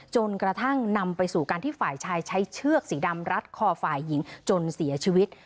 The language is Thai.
จนกระทั่งนำไปสู่การที่ฝ่ายชายใช้เชือกสีดำรัดคอฝ่ายหญิงจนเสียชีวิต